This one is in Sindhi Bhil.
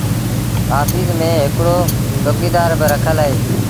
آڦيٚس ميݩ هڪڙو چوڪيٚدآر با رکل اهي۔